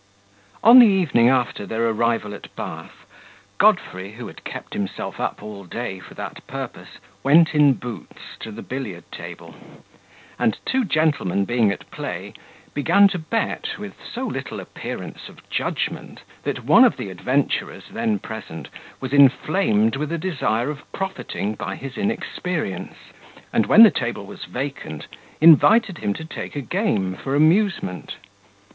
On the evening after their arrival at Bath, Godfrey, who had kept himself up all day for that purpose, went in boots to the billiard table; and, two gentlemen being at play, began to bet with so little appearance of judgment, that one of the adventurers then present was inflamed with a desire of profiting by his inexperience; and, when the table was vacant, invited him to take a game for amusement.